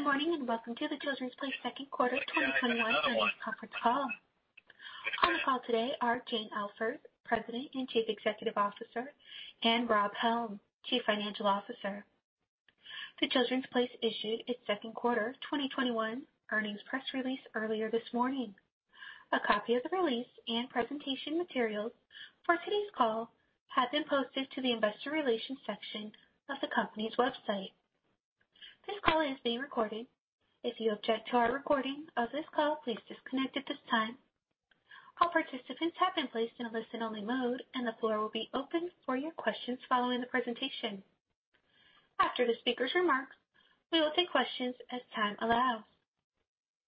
Good morning, and welcome to The Children’s Place second quarter 2021 earnings conference call. On the call today are Jane Elfers, President and Chief Executive Officer, and Rob Helm, Chief Financial Officer. The Children’s Place issued its second quarter 2021 earnings press release earlier this morning. A copy of the release and presentation materials for today’s call have been posted to the investor relations section of the company’s website. This call is being recorded. If you object to our recording of this call, please disconnect at this time. All participants have been placed in a listen-only mode, and the floor will be open for your questions following the presentation. After the speakers' remarks, we will take questions as time allows.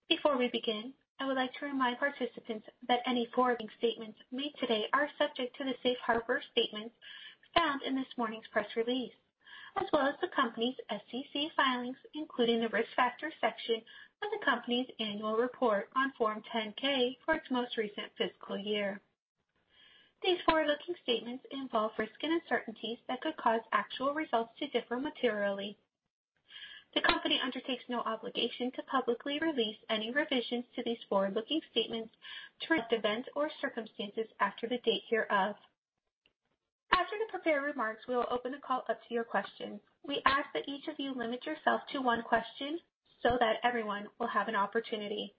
Before we begin, I would like to remind participants that any forward-looking statements made today are subject to the safe harbor statements found in this morning's press release, as well as the company's SEC filings, including the Risk Factors section of the company's annual report on Form 10-K for its most recent fiscal year. These forward-looking statements involve risks and uncertainties that could cause actual results to differ materially. The company undertakes no obligation to publicly release any revisions to these forward-looking statements to reflect events or circumstances after the date hereof. After the prepared remarks, we will open the call up to your questions. We ask that each of you limit yourself to one question so that everyone will have an opportunity.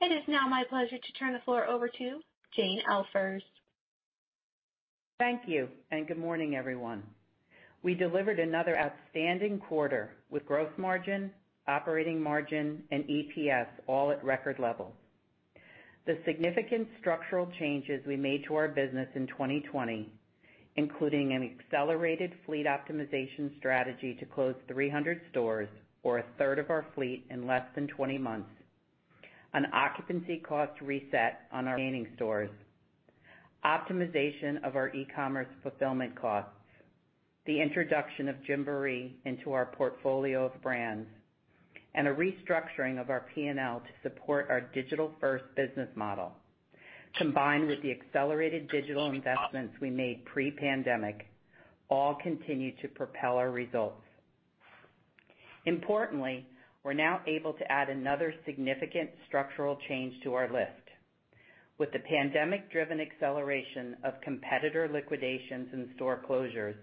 It is now my pleasure to turn the floor over to Jane Elfers. Thank you. Good morning, everyone. We delivered another outstanding quarter with growth margin, operating margin, and EPS all at record levels. The significant structural changes we made to our business in 2020, including an accelerated fleet optimization strategy to close 300 stores, or 1/3 of our fleet, in less than 20 months, an occupancy cost reset on our remaining stores, optimization of our e-commerce fulfillment costs, the introduction of Gymboree into our portfolio of brands, and a restructuring of our P&L to support our digital-first business model, combined with the accelerated digital investments we made pre-pandemic, all continue to propel our results. Importantly, we’re now able to add another significant structural change to our list. With the pandemic-driven acceleration of competitor liquidations and store closures,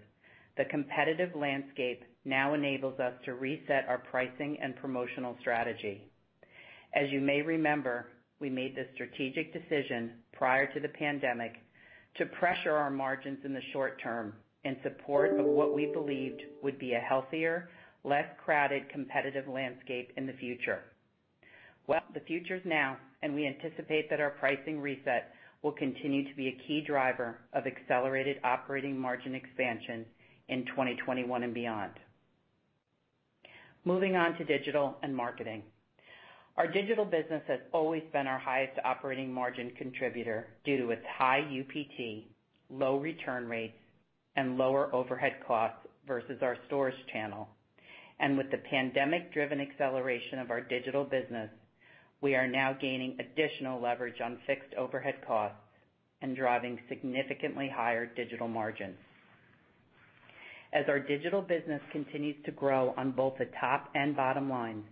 the competitive landscape now enables us to reset our pricing and promotional strategy. As you may remember, we made the strategic decision prior to the pandemic to pressure our margins in the short term in support of what we believed would be a healthier, less crowded, competitive landscape in the future. Well, the future's now, we anticipate that our pricing reset will continue to be a key driver of accelerated operating margin expansion in 2021 and beyond. Moving on to digital and marketing. Our digital business has always been our highest operating margin contributor due to its high UPT, low return rates, and lower overhead costs versus our stores channel. With the pandemic-driven acceleration of our digital business, we are now gaining additional leverage on fixed overhead costs and driving significantly higher digital margins. As our digital business continues to grow on both the top and bottom lines,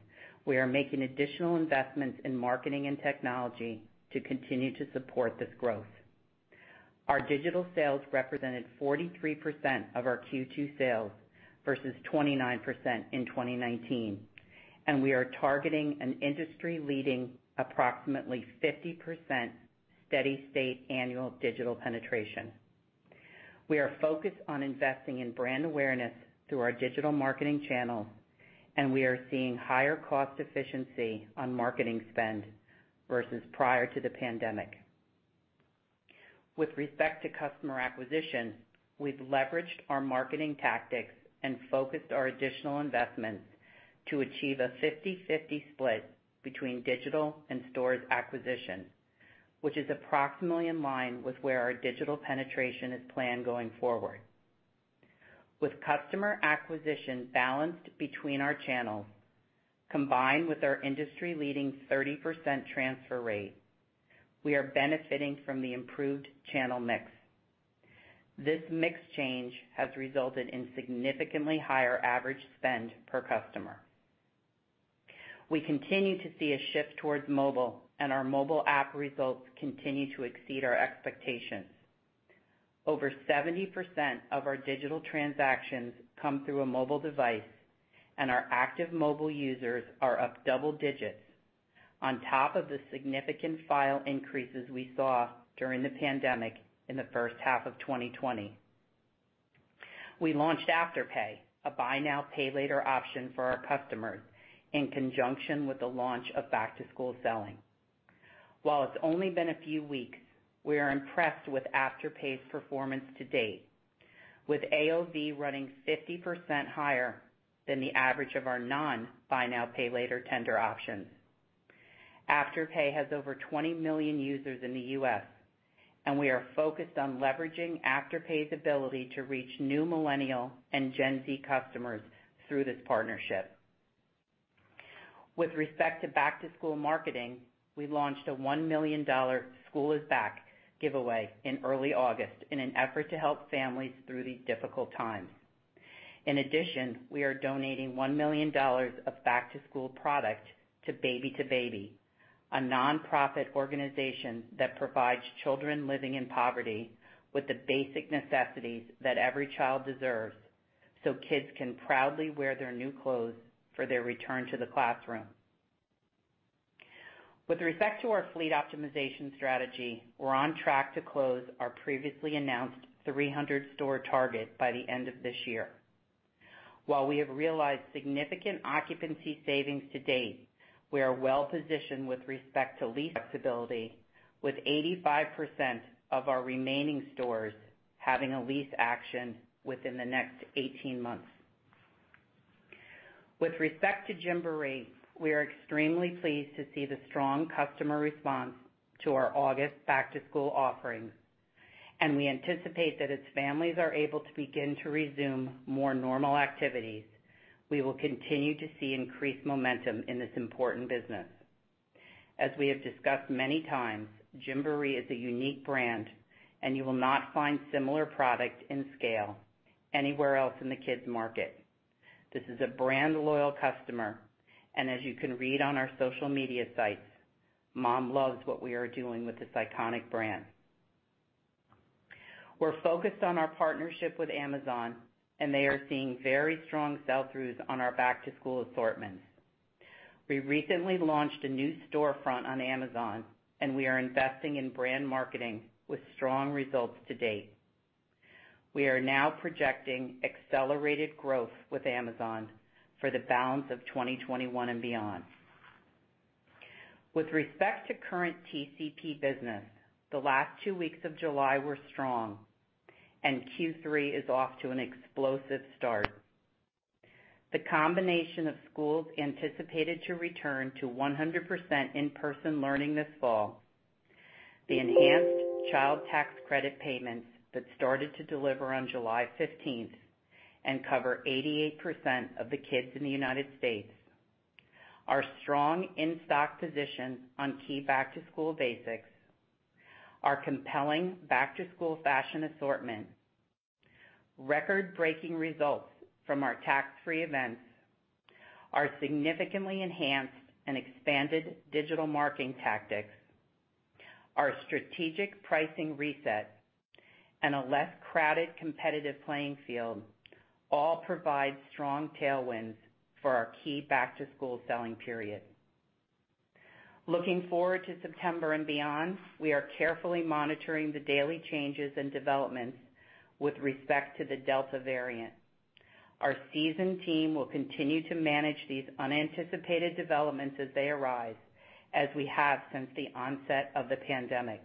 we are making additional investments in marketing and technology to continue to support this growth. Our digital sales represented 43% of our Q2 sales versus 29% in 2019, and we are targeting an industry-leading, approximately 50% steady state annual digital penetration. We are focused on investing in brand awareness through our digital marketing channels, and we are seeing higher cost efficiency on marketing spend versus prior to the pandemic. With respect to customer acquisition, we've leveraged our marketing tactics and focused our additional investments to achieve a 50/50 split between digital and stores acquisition, which is approximately in line with where our digital penetration is planned going forward. With customer acquisition balanced between our channels, combined with our industry-leading 30% transfer rate, we are benefiting from the improved channel mix. This mix change has resulted in significantly higher average spend per customer. We continue to see a shift towards mobile, and our mobile app results continue to exceed our expectations. Over 70% of our digital transactions come through a mobile device, and our active mobile users are up double digits on top of the significant file increases we saw during the pandemic in the first half of 2020. We launched Afterpay, a buy now, pay later option for our customers in conjunction with the launch of back-to-school selling. While it's only been a few weeks, we are impressed with Afterpay's performance to date, with AOV running 50% higher than the average of our non-buy now, pay later tender options. Afterpay has over 20 million users in the U.S. We are focused on leveraging Afterpay's ability to reach new Millennial and Gen Z customers through this partnership. With respect to back-to-school marketing, we launched a $1 million School is Back Giveaway in early August in an effort to help families through these difficult times. We are donating $1 million of back-to-school product to Baby2Baby, a nonprofit organization that provides children living in poverty with the basic necessities that every child deserves, so kids can proudly wear their new clothes for their return to the classroom. With respect to our fleet optimization strategy, we're on track to close our previously announced 300 store target by the end of this year. While we have realized significant occupancy savings to date, we are well positioned with respect to lease flexibility, with 85% of our remaining stores having a lease action within the next 18 months. With respect to Gymboree, we are extremely pleased to see the strong customer response to our August back-to-school offerings, and we anticipate that as families are able to begin to resume more normal activities, we will continue to see increased momentum in this important business. As we have discussed many times, Gymboree is a unique brand, and you will not find similar product and scale anywhere else in the kids market. This is a brand loyal customer, and as you can read on our social media sites, mom loves what we are doing with this iconic brand. We're focused on our partnership with Amazon, and they are seeing very strong sell-throughs on our back-to-school assortments. We recently launched a new storefront on Amazon, and we are investing in brand marketing with strong results to date. We are now projecting accelerated growth with Amazon for the balance of 2021 and beyond. With respect to current TCP business, the last two weeks of July were strong, and Q3 is off to an explosive start. The combination of schools anticipated to return to 100% in-person learning this fall, the enhanced Child Tax Credit payments that started to deliver on July 15th and cover 88% of the kids in the U.S., our strong in-stock position on key back-to-school basics, our compelling back-to-school fashion assortment, record-breaking results from our tax-free events, our significantly enhanced and expanded digital marketing tactics, our strategic pricing reset, and a less crowded competitive playing field all provide strong tailwinds for our key back-to-school selling period. Looking forward to September and beyond, we are carefully monitoring the daily changes and developments with respect to the Delta variant. Our seasoned team will continue to manage these unanticipated developments as they arise, as we have since the onset of the pandemic.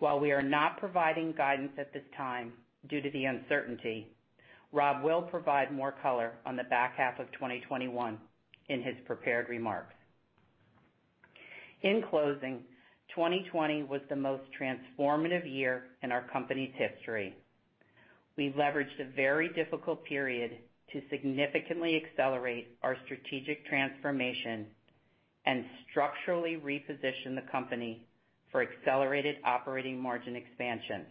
While we are not providing guidance at this time due to the uncertainty, Rob will provide more color on the back half of 2021 in his prepared remarks. In closing, 2020 was the most transformative year in our company's history. We leveraged a very difficult period to significantly accelerate our strategic transformation and structurally reposition the company for accelerated operating margin expansion.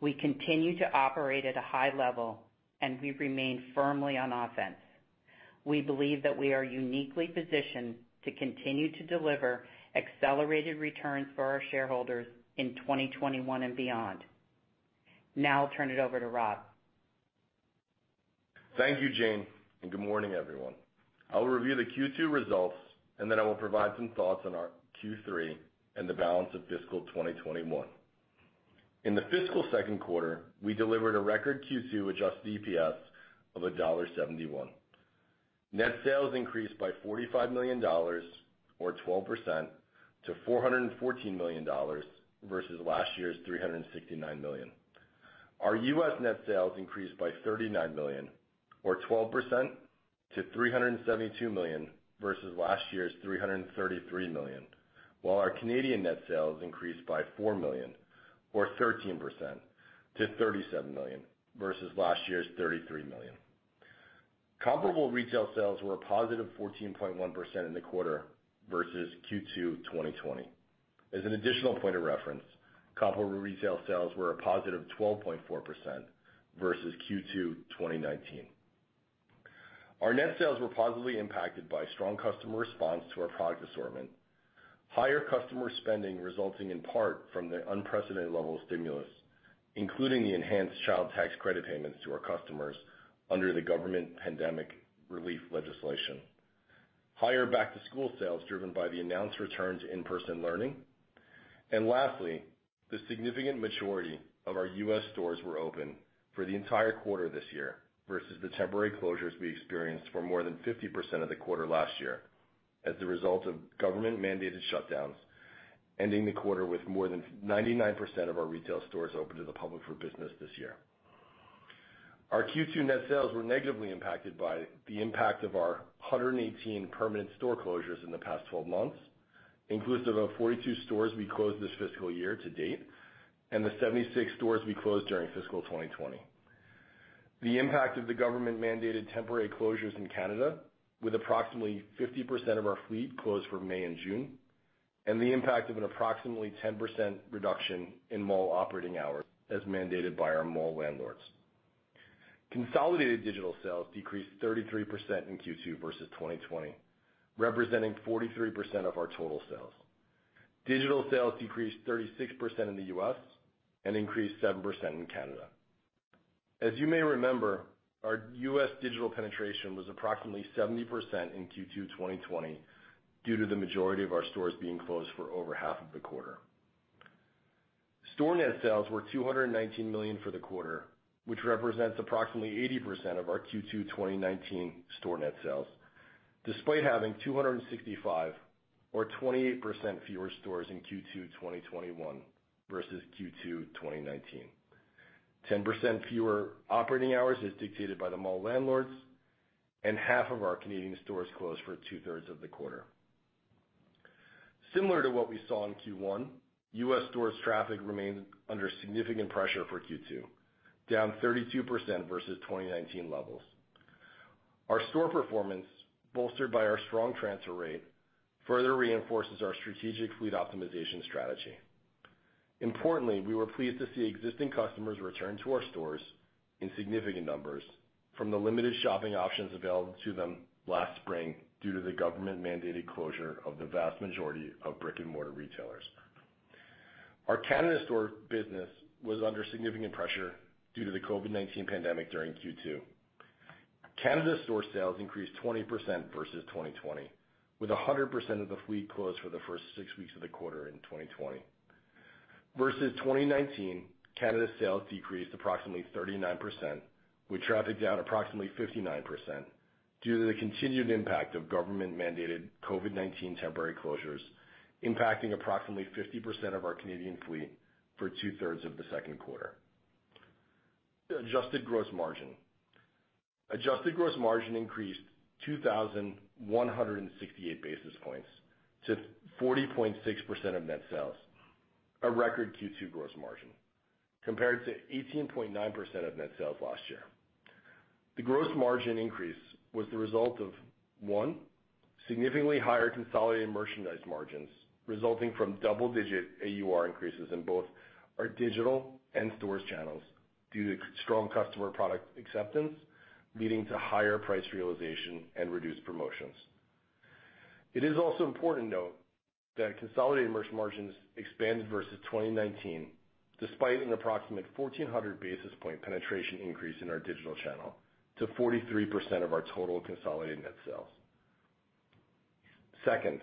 We continue to operate at a high level, and we remain firmly on offense. We believe that we are uniquely positioned to continue to deliver accelerated returns for our shareholders in 2021 and beyond. Now I'll turn it over to Rob. Thank you, Jane, good morning, everyone. I will review the Q2 results, then I will provide some thoughts on our Q3 and the balance of fiscal 2021. In the fiscal second quarter, we delivered a record Q2 adjusted EPS of $1.71. Net sales increased by $45 million or 12% to $414 million versus last year's $369 million. Our U.S. net sales increased by $39 million or 12% to $372 million versus last year's $333 million. Our Canadian net sales increased by $4 million or 13% to $37 million versus last year's $33 million. Comparable retail sales were a positive 14.1% in the quarter versus Q2 2020. As an additional point of reference, comparable retail sales were a +12.4% versus Q2 2019. Our net sales were positively impacted by strong customer response to our product assortment, higher customer spending resulting in part from the unprecedented level of stimulus, including the enhanced Child Tax Credit payments to our customers under the government pandemic relief legislation, higher back-to-school sales driven by the announced return to in-person learning. Lastly, the significant majority of our U.S. stores were open for the entire quarter this year versus the temporary closures we experienced for more than 50% of the quarter last year as a result of government mandated shutdowns, ending the quarter with more than 99% of our retail stores open to the public for business this year. Our Q2 net sales were negatively impacted by the impact of our 118 permanent store closures in the past 12 months, inclusive of 42 stores we closed this fiscal year to date and the 76 stores we closed during fiscal 2020, the impact of the government-mandated temporary closures in Canada, with approximately 50% of our fleet closed for May and June, and the impact of an approximately 10% reduction in mall operating hours as mandated by our mall landlords. Consolidated digital sales decreased 33% in Q2 versus 2020, representing 43% of our total sales. Digital sales decreased 36% in the U.S. and increased 7% in Canada. As you may remember, our U.S. digital penetration was approximately 70% in Q2 2020 due to the majority of our stores being closed for over half of the quarter. Store net sales were $219 million for the quarter, which represents approximately 80% of our Q2 2019 store net sales, despite having 265 or 28% fewer stores in Q2 2022 versus Q2 2019. 10% fewer operating hours as dictated by the mall landlords, and half of our Canadian stores closed for 2/3 of the quarter. Similar to what we saw in Q1, U.S. stores traffic remained under significant pressure for Q2, down 32% versus 2019 levels. Our store performance, bolstered by our strong transfer rate, further reinforces our strategic fleet optimization strategy. Importantly, we were pleased to see existing customers return to our stores in significant numbers from the limited shopping options available to them last spring, due to the government-mandated closure of the vast majority of brick-and-mortar retailers. Our Canada store business was under significant pressure due to the COVID-19 pandemic during Q2. Canada store sales increased 20% versus 2020, with 100% of the fleet closed for the first six weeks of the quarter in 2020. Versus 2019, Canada sales decreased approximately 39%, with traffic down approximately 59%, due to the continued impact of government-mandated COVID-19 temporary closures impacting approximately 50% of our Canadian fleet for 2/3 of the second quarter. Adjusted gross margin. Adjusted gross margin increased 2,168 basis points to 40.6% of net sales, a record Q2 gross margin, compared to 18.9% of net sales last year. The gross margin increase was the result of, one, significantly higher consolidated merchandise margins, resulting from double-digit AUR increases in both our digital and stores channels due to strong customer product acceptance, leading to higher price realization and reduced promotions. It is also important to note that consolidated merch margins expanded versus 2019, despite an approximate 1,400 basis point penetration increase in our digital channel to 43% of our total consolidated net sales. Second,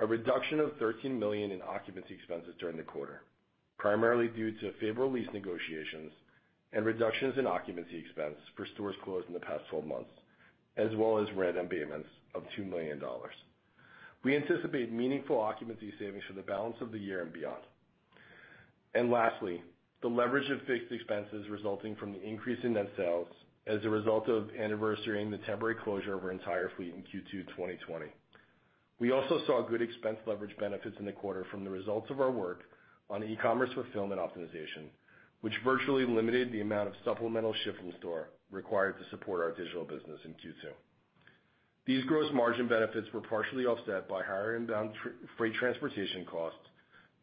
a reduction of $13 million in occupancy expenses during the quarter, primarily due to favorable lease negotiations and reductions in occupancy expense for stores closed in the past 12 months, as well as rent abatements of $2 million. We anticipate meaningful occupancy savings for the balance of the year and beyond. Lastly, the leverage of fixed expenses resulting from the increase in net sales as a result of anniversarying the temporary closure of our entire fleet in Q2 2020. We also saw good expense leverage benefits in the quarter from the results of our work on e-commerce fulfillment optimization, which virtually limited the amount of supplemental ship from store required to support our digital business in Q2. These gross margin benefits were partially offset by higher inbound freight transportation costs,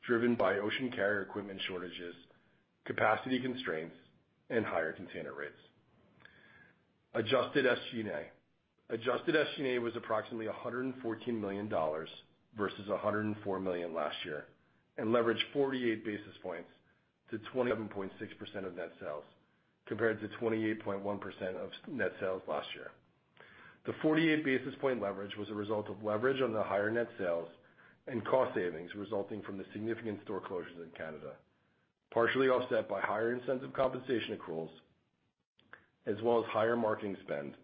driven by ocean carrier equipment shortages, capacity constraints, and higher container rates. Adjusted SG&A. Adjusted SG&A was approximately $114 million versus $104 million last year, and leveraged 48 basis points to 27.6% of net sales, compared to 28.1% of net sales last year. The 48 basis point leverage was a result of leverage on the higher net sales and cost savings resulting from the significant store closures in Canada, partially offset by higher incentive compensation accruals, as well as higher marketing spend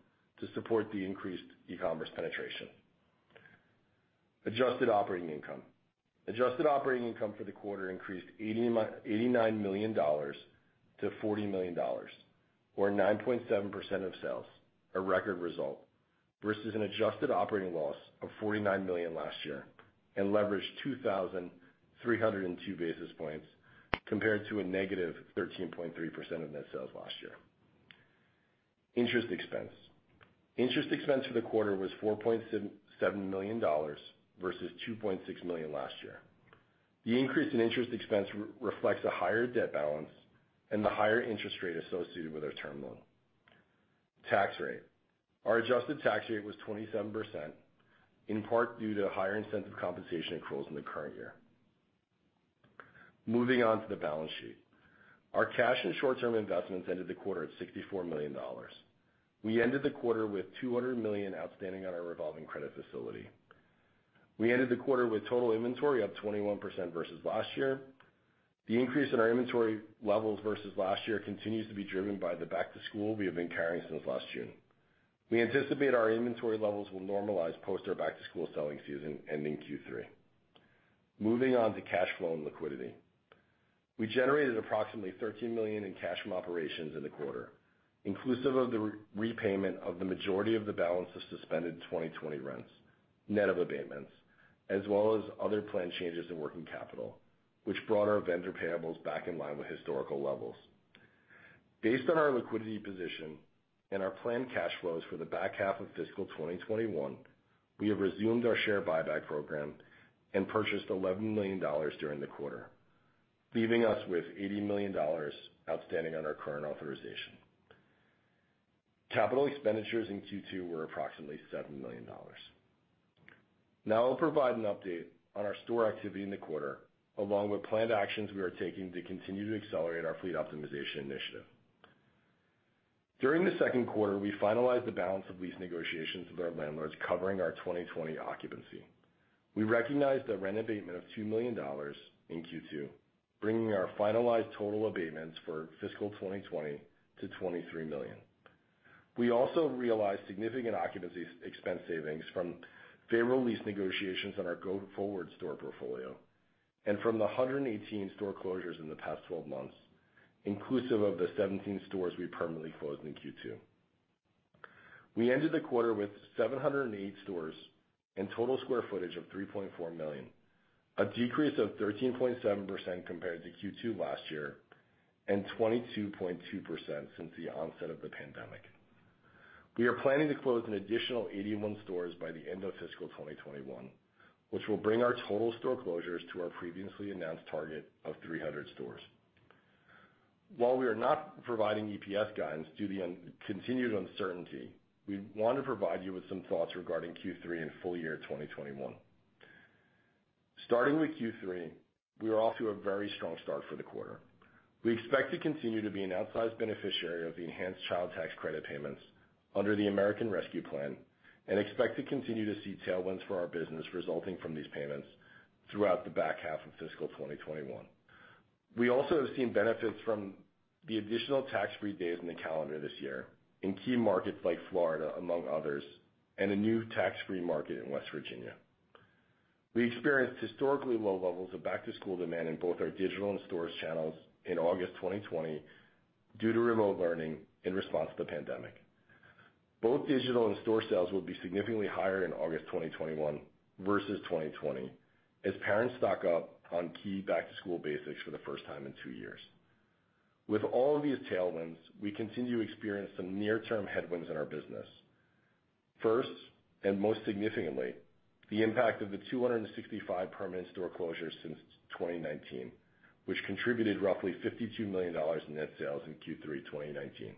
to support the increased e-commerce penetration. Adjusted operating income. Adjusted operating income for the quarter increased $89 million to $40 million, or 9.7% of sales, a record result, versus an adjusted operating loss of $49 million last year and leveraged 2,302 basis points, compared to a -13.3% of net sales last year. Interest expense. Interest expense for the quarter was $4.7 million versus $2.6 million last year. The increase in interest expense reflects a higher debt balance and the higher interest rate associated with our term loan. Tax rate. Our adjusted tax rate was 27%, in part due to higher incentive compensation accruals in the current year. Moving on to the balance sheet. Our cash and short-term investments ended the quarter at $64 million. We ended the quarter with $200 million outstanding on our revolving credit facility. We ended the quarter with total inventory up 21% versus last year. The increase in our inventory levels versus last year continues to be driven by the back-to-school we have been carrying since last June. We anticipate our inventory levels will normalize post our back-to-school selling season ending Q3. Moving on to cash flow and liquidity. We generated approximately $13 million in cash from operations in the quarter, inclusive of the repayment of the majority of the balance of suspended 2020 rents, net of abatements. As well as other planned changes in working capital, which brought our vendor payables back in line with historical levels. Based on our liquidity position and our planned cash flows for the back half of fiscal 2021, we have resumed our share buyback program and purchased $11 million during the quarter, leaving us with $80 million outstanding on our current authorization. Capital expenditures in Q2 were approximately $7 million. Now I'll provide an update on our store activity in the quarter, along with planned actions we are taking to continue to accelerate our fleet optimization initiative. During the second quarter, we finalized the balance of lease negotiations with our landlords covering our 2020 occupancy. We recognized a rent abatement of $2 million in Q2, bringing our finalized total abatements for fiscal 2020 to $23 million. We also realized significant occupancy expense savings from favorable lease negotiations on our go-forward store portfolio and from the 118 store closures in the past 12 months, inclusive of the 17 stores we permanently closed in Q2. We ended the quarter with 708 stores and total square footage of 3.4 million, a decrease of 13.7% compared to Q2 last year and 22.2% since the onset of the pandemic. We are planning to close an additional 81 stores by the end of fiscal 2021, which will bring our total store closures to our previously announced target of 300 stores. While we are not providing EPS guidance due to the continued uncertainty, we want to provide you with some thoughts regarding Q3 and full year 2021. Starting with Q3, we are off to a very strong start for the quarter. We expect to continue to be an outsized beneficiary of the enhanced Child Tax Credit payments under the American Rescue Plan and expect to continue to see tailwinds for our business resulting from these payments throughout the back half of fiscal 2021. We also have seen benefits from the additional tax-free days in the calendar this year in key markets like Florida, among others, and a new tax-free market in West Virginia. We experienced historically low levels of back-to-school demand in both our digital and stores channels in August 2020 due to remote learning in response to the pandemic. Both digital and store sales will be significantly higher in August 2021 versus 2020 as parents stock up on key back-to-school basics for the first time in two years. With all of these tailwinds, we continue to experience some near-term headwinds in our business. First, and most significantly, the impact of the 265 permanent store closures since 2019, which contributed roughly $52 million in net sales in Q3 2019.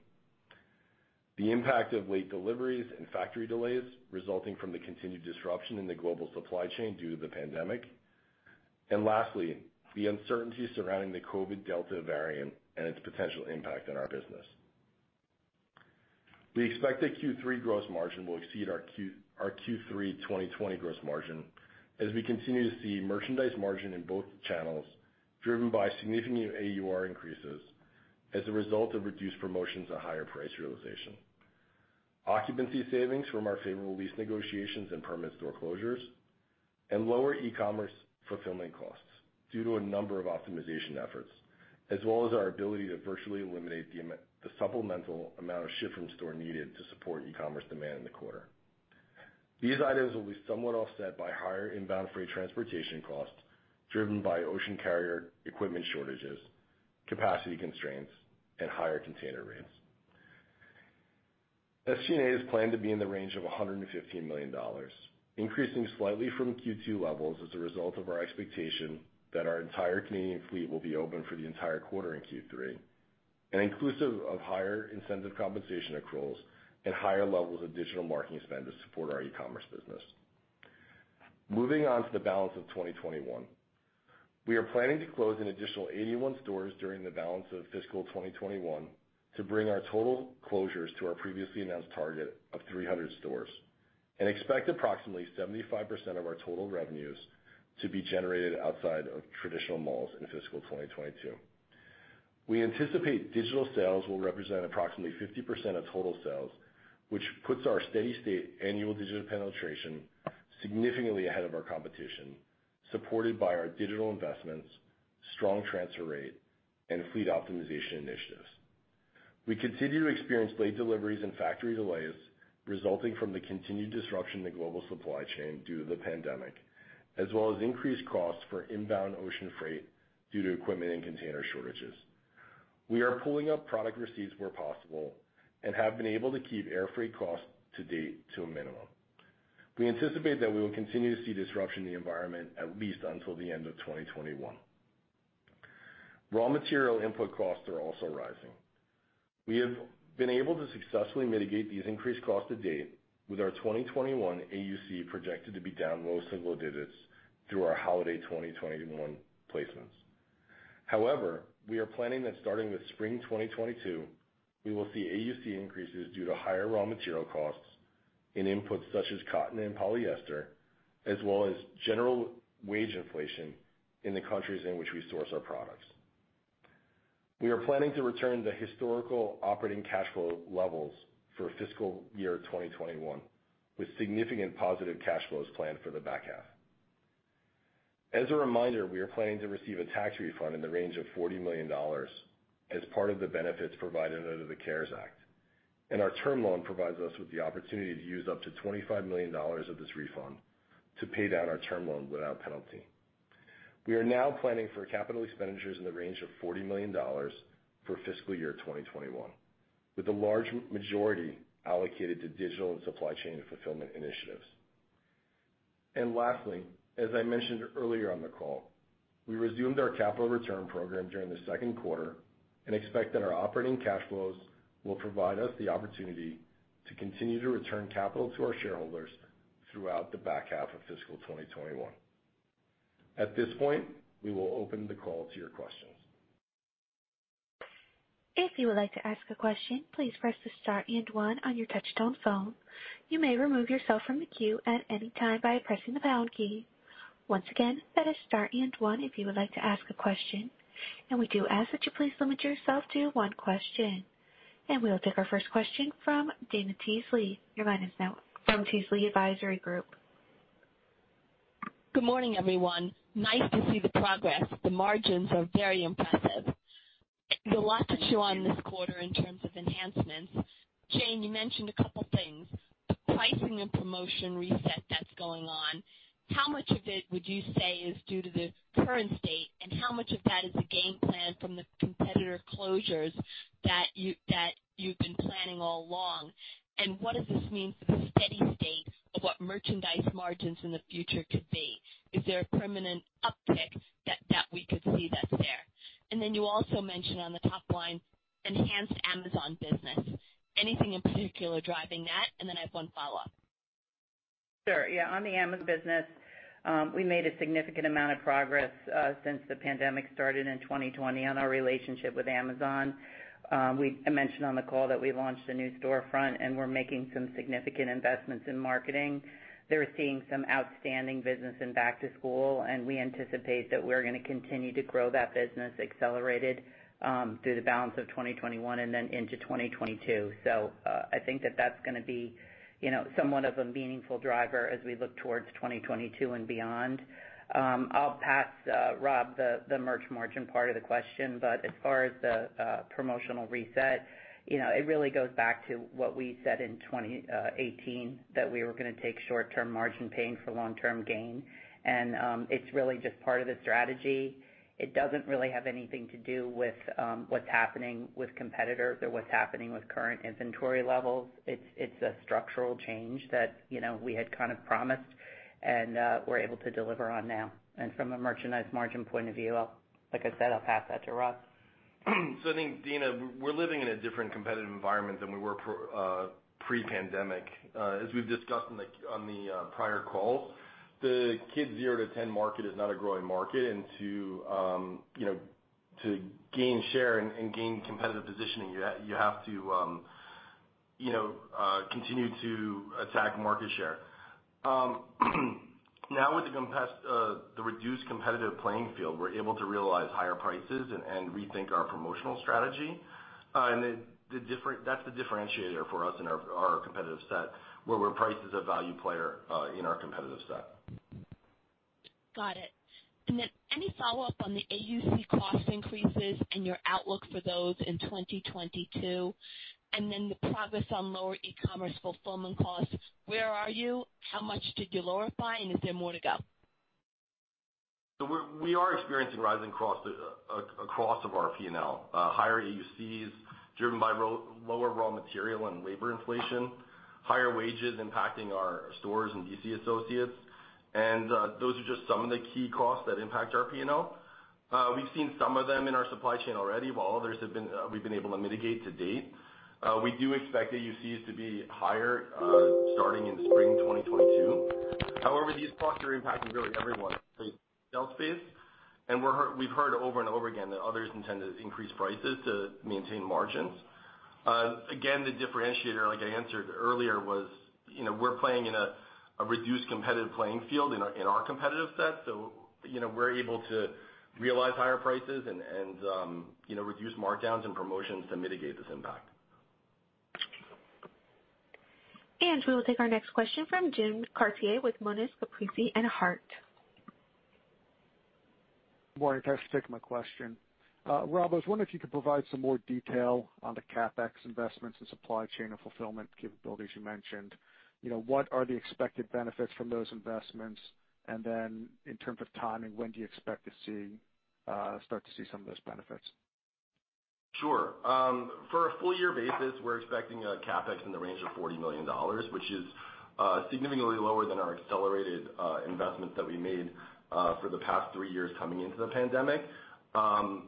The impact of late deliveries and factory delays resulting from the continued disruption in the global supply chain due to the pandemic. Lastly, the uncertainty surrounding the COVID Delta variant and its potential impact on our business. We expect that Q3 gross margin will exceed our Q3 2020 gross margin as we continue to see merchandise margin in both channels driven by significant AUR increases as a result of reduced promotions and higher price realization, occupancy savings from our favorable lease negotiations and permanent store closures, and lower e-commerce fulfillment costs due to a number of optimization efforts as well as our ability to virtually eliminate the supplemental amount of ship from store needed to support e-commerce demand in the quarter. These items will be somewhat offset by higher inbound freight transportation costs driven by ocean carrier equipment shortages, capacity constraints, and higher container rates. SG&A is planned to be in the range of $115 million, increasing slightly from Q2 levels as a result of our expectation that our entire Canadian fleet will be open for the entire quarter in Q3 and inclusive of higher incentive compensation accruals and higher levels of digital marketing spend to support our e-commerce business. Moving on to the balance of 2021. We are planning to close an additional 81 stores during the balance of fiscal 2021 to bring our total closures to our previously announced target of 300 stores and expect approximately 75% of our total revenues to be generated outside of traditional malls in fiscal 2022. We anticipate digital sales will represent approximately 50% of total sales, which puts our steady-state annual digital penetration significantly ahead of our competition, supported by our digital investments, strong transfer rate, and fleet optimization initiatives. We continue to experience late deliveries and factory delays resulting from the continued disruption in the global supply chain due to the pandemic, as well as increased costs for inbound ocean freight due to equipment and container shortages. We are pulling up product receipts where possible and have been able to keep air freight costs to date to a minimum. We anticipate that we will continue to see disruption in the environment at least until the end of 2021. Raw material input costs are also rising. We have been able to successfully mitigate these increased costs to date with our 2021 AUC projected to be down low single digits through our holiday 2021 placements. We are planning that starting with spring 2022, we will see AUC increases due to higher raw material costs in inputs such as cotton and polyester, as well as general wage inflation in the countries in which we source our products. We are planning to return to historical operating cash flow levels for fiscal year 2021, with significant positive cash flows planned for the back half. As a reminder, we are planning to receive a tax refund in the range of $40 million as part of the benefits provided under the CARES Act, and our term loan provides us with the opportunity to use up to $25 million of this refund to pay down our term loan without penalty. We are now planning for capital expenditures in the range of $40 million for fiscal year 2021, with the large majority allocated to digital and supply chain fulfillment initiatives. Lastly, as I mentioned earlier on the call, we resumed our capital return program during the second quarter and expect that our operating cash flows will provide us the opportunity to continue to return capital to our shareholders throughout the back half of fiscal 2021. At this point, we will open the call to your questions. If you would like to ask a question, please press the star and one on your touchtone phone. You may remove yourself from the queue at any time by pressing the pound key. Once again, that is star and one if you would like to ask a question. We do ask that you please limit yourself to one question. We will take our first question from Dana Telsey. Your line is now from Telsey Advisory Group. Good morning, everyone. Nice to see the progress. The margins are very impressive. There's a lot to chew on this quarter in terms of enhancements. Jane, you mentioned a couple things. The pricing and promotion reset that's going on, how much of it would you say is due to the current state, and how much of that is a game plan from the competitor closures that you've been planning all along? What does this mean for the steady state of what merchandise margins in the future could be? Is there a permanent uptick that we could see that's there? You also mentioned on the top line, enhanced Amazon business. Anything in particular driving that? I have one follow-up. Sure, yeah. On the Amazon business, we made a significant amount of progress since the pandemic started in 2020 on our relationship with Amazon. I mentioned on the call that we launched a new storefront, and we're making some significant investments in marketing. They're seeing some outstanding business in back-to-school, and we anticipate that we're gonna continue to grow that business accelerated, through the balance of 2021 and then into 2022. I think that that's gonna be somewhat of a meaningful driver as we look towards 2022 and beyond. I'll pass, Rob, the merch margin part of the question, but as far as the promotional reset, it really goes back to what we said in 2018 that we were gonna take short-term margin pain for long-term gain. It's really just part of the strategy. It doesn't really have anything to do with what's happening with competitors or what's happening with current inventory levels. It's a structural change that we had promised and we're able to deliver on now. From a merchandise margin point of view, like I said, I'll pass that to Rob. I think, Dana, we're living in a different competitive environment than we were pre-pandemic. As we've discussed on the prior calls, the kids 0-10 market is not a growing market. To gain share and gain competitive positioning, you have to continue to attack market share. Now with the reduced competitive playing field, we're able to realize higher prices and rethink our promotional strategy. That's the differentiator for us in our competitive set, where we're priced as a value player in our competitive set. Got it. Any follow-up on the AUC cost increases and your outlook for those in 2022? The progress on lower e-commerce fulfillment costs, where are you? How much did you lower by, and is there more to go? We are experiencing rising costs across our P&L. Higher AUCs driven by higher raw material and labor inflation, higher wages impacting our stores and DC associates, those are just some of the key costs that impact our P&L. We've seen some of them in our supply chain already, while others we've been able to mitigate to date. We do expect AUCs to be higher starting in spring 2022. These costs are impacting really everyone's space. We've heard over and over again that others intend to increase prices to maintain margins. Again, the differentiator, like I answered earlier, was we're playing in a reduced competitive playing field in our competitive set. We're able to realize higher prices and reduce markdowns and promotions to mitigate this impact. We will take our next question from Jim Chartier with Monness, Crespi, and Hardt. Morning. Thanks for taking my question. Rob, I was wondering if you could provide some more detail on the CapEx investments and supply chain and fulfillment capabilities you mentioned. What are the expected benefits from those investments? In terms of timing, when do you expect to start to see some of those benefits? Sure. For a full year basis, we're expecting a CapEx in the range of $40 million, which is significantly lower than our accelerated investments that we made for the past three years coming into the pandemic. From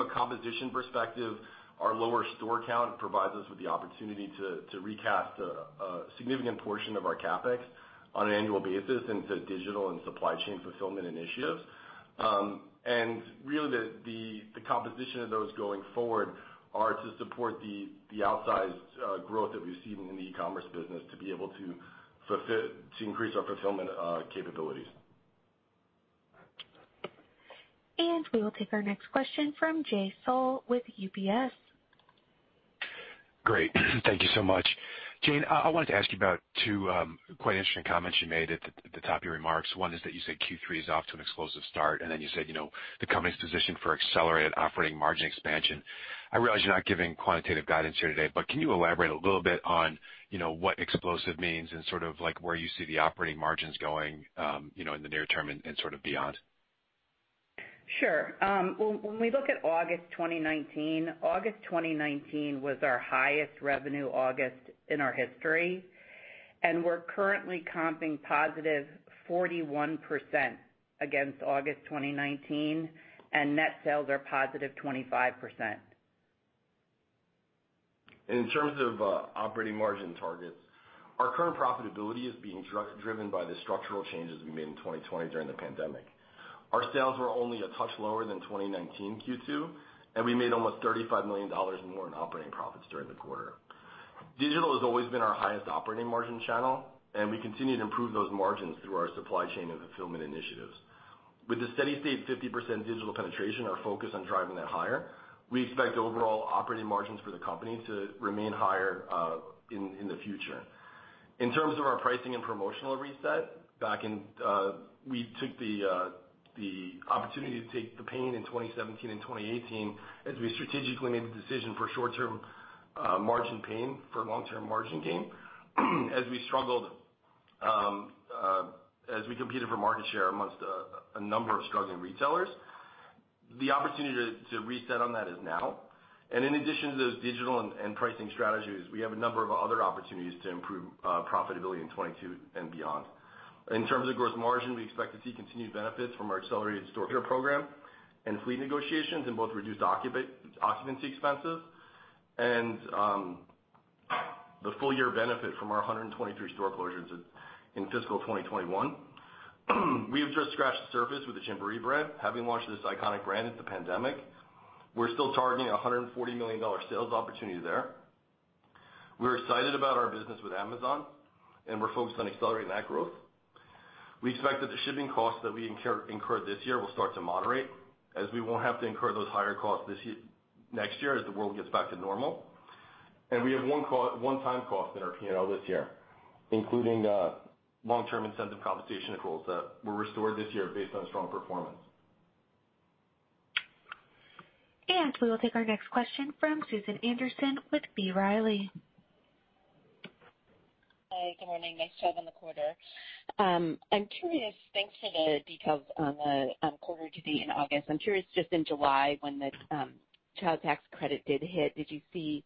a composition perspective, our lower store count provides us with the opportunity to recast a significant portion of our CapEx on an annual basis into digital and supply chain fulfillment initiatives. Really, the composition of those going forward are to support the outsized growth that we've seen in the e-commerce business to be able to increase our fulfillment capabilities. We will take our next question from Jay Sole with UBS. Great. Thank you so much. Jane, I wanted to ask you about two quite interesting comments you made at the top of your remarks. One is that you said Q3 is off to an explosive start, and then you said the company's positioned for accelerated operating margin expansion. I realize you're not giving quantitative guidance here today, but can you elaborate a little bit on what explosive means and where you see the operating margins going in the near term and beyond? Sure. When we look at August 2019, August 2019 was our highest revenue August in our history, and we're currently comping positive 41% against August 2019, and net sales are +25%. In terms of operating margin targets, our current profitability is being driven by the structural changes we made in 2020 during the pandemic. Our sales were only a touch lower than 2019 Q2, and we made almost $35 million more in operating profits during the quarter. Digital has always been our highest operating margin channel, and we continue to improve those margins through our supply chain and fulfillment initiatives. With a steady state 50% digital penetration, our focus on driving that higher, we expect overall operating margins for the company to remain higher in the future. In terms of our pricing and promotional reset, we took the opportunity to take the pain in 2017 and 2018 as we strategically made the decision for short-term margin pain for long-term margin gain. As we competed for market share amongst a number of struggling retailers, the opportunity to reset on that is now. In addition to those digital and pricing strategies, we have a number of other opportunities to improve profitability in 2022 and beyond. In terms of gross margin, we expect to see continued benefits from our accelerated store closure program and fleet negotiations in both reduced occupancy expenses and the full year benefit from our 123 store closures in fiscal 2021. We have just scratched the surface with the Gymboree brand, having launched this iconic brand at the pandemic. We're still targeting $140 million sales opportunity there. We're excited about our business with Amazon, and we're focused on accelerating that growth. We expect that the shipping costs that we incur this year will start to moderate as we won't have to incur those higher costs next year as the world gets back to normal. We have one time cost in our P&L this year, including long-term incentive compensation accruals that were restored this year based on strong performance. We will take our next question from Susan Anderson with B. Riley. Hi. Good morning. Nice job on the quarter. Thanks for the details on the quarter to date in August. I'm curious, just in July when the Child Tax Credit did hit, did you see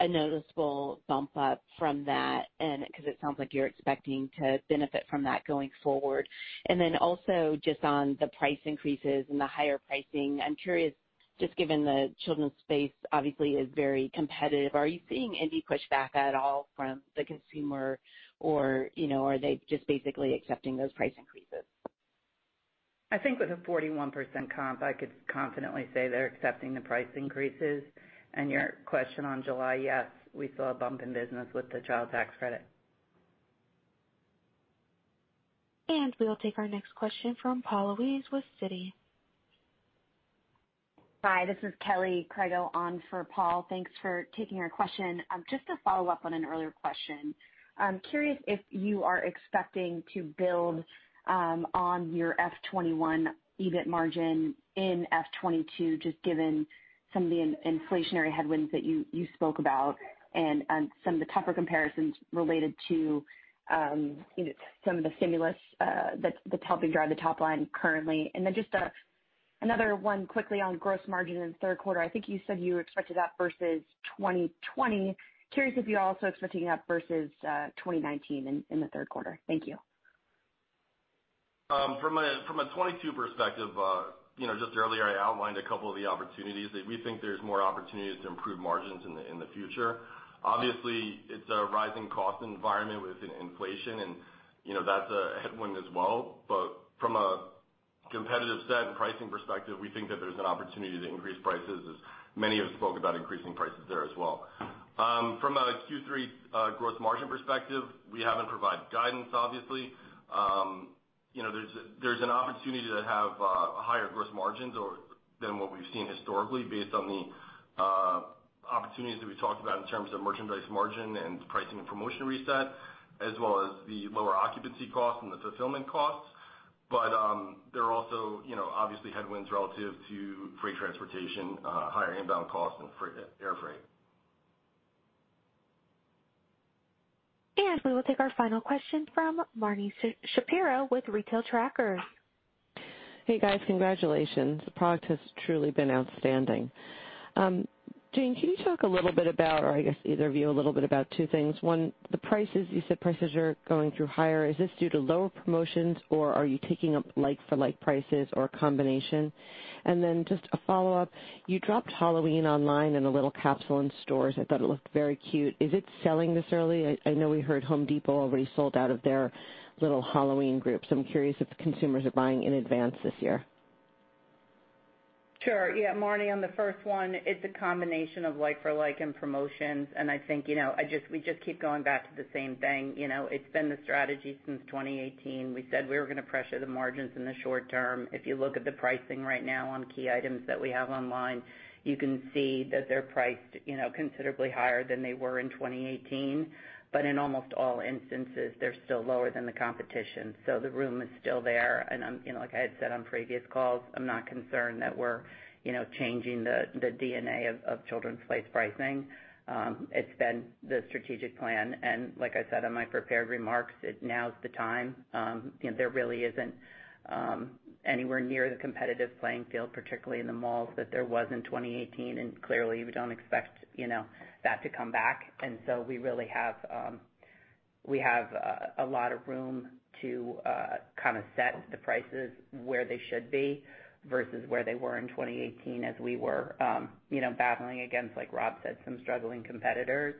a noticeable bump up from that? It sounds like you're expecting to benefit from that going forward. Then also just on the price increases and the higher pricing, I'm curious, just given the children's space obviously is very competitive, are you seeing any pushback at all from the consumer or are they just basically accepting those price increases? I think with a 41% comp, I could confidently say they're accepting the price increases. Your question on July, yes, we saw a bump in business with the Child Tax Credit. We will take our next question from Paul Lejuez with Citi. Hi, this is Kelly Crago on for Paul. Thanks for taking our question. Just to follow up on an earlier question. I'm curious if you are expecting to build on your F 2021 EBIT margin in F 2022, just given some of the inflationary headwinds that you spoke about and some of the tougher comparisons related to some of the stimulus that's helping drive the top line currently. Just another one quickly on gross margin in the third quarter. I think you said you expected that versus 2020. Curious if you're also expecting that versus 2019 in the third quarter. Thank you. From a 2022 perspective, just earlier I outlined a couple of the opportunities that we think there's more opportunities to improve margins in the future. Obviously, it's a rising cost environment with inflation and that's a headwind as well. From a competitive set and pricing perspective, we think that there's an opportunity to increase prices as many have spoke about increasing prices there as well. From a Q3 gross margin perspective, we haven't provided guidance, obviously. There's an opportunity to have higher gross margins than what we've seen historically based on the opportunities that we talked about in terms of merchandise margin and pricing and promotion reset, as well as the lower occupancy costs and the fulfillment costs. There are also obviously headwinds relative to freight transportation, higher inbound costs, and air freight. We will take our final question from Marni Shapiro with Retail Tracker. Hey, guys. Congratulations. The product has truly been outstanding. Jane, can you talk a little bit about, or I guess either of you, a little bit about two things? One, the prices. You said prices are going through higher. Is this due to lower promotions, or are you taking up like-for-like prices or a combination? Then just a follow-up. You dropped Halloween online and a little capsule in stores. I thought it looked very cute. Is it selling this early? I know we heard Home Depot already sold out of their little Halloween groups. I'm curious if the consumers are buying in advance this year. Sure. Yeah, Marni, on the first one, it's a combination of like for like and promotions, and I think we just keep going back to the same thing. It's been the strategy since 2018. We said we were going to pressure the margins in the short term. If you look at the pricing right now on key items that we have online, you can see that they're priced considerably higher than they were in 2018 but in almost all instances, they're still lower than the competition. The room is still there, and like I had said on previous calls, I'm not concerned that we're changing the DNA of Children's Place pricing. It's been the strategic plan, and like I said in my prepared remarks, now's the time. There really isn't anywhere near the competitive playing field, particularly in the malls, that there was in 2018. Clearly we don't expect that to come back. We really have a lot of room to set the prices where they should be versus where they were in 2018 as we were battling against, like Rob said, some struggling competitors.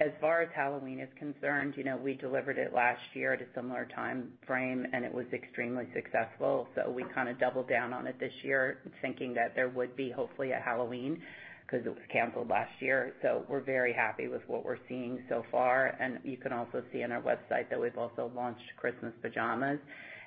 As far as Halloween is concerned, we delivered it last year at a similar time frame. It was extremely successful. We doubled down on it this year thinking that there would be hopefully a Halloween because it was canceled last year. We're very happy with what we're seeing so far. You can also see on our website that we've also launched Christmas pajamas.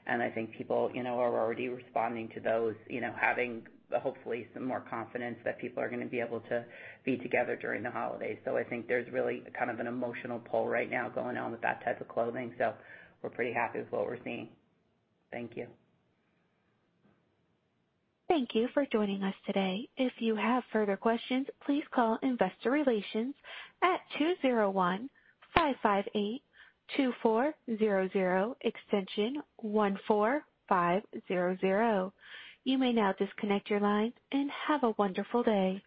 I think people are already responding to those, having hopefully some more confidence that people are going to be able to be together during the holidays. I think there's really an emotional pull right now going on with that type of clothing. We're pretty happy with what we're seeing. Thank you. Thank you for joining us today. If you have further questions, please call Investor Relations at 201-558-2400, extension 145-00. You may now disconnect your line, and have a wonderful day.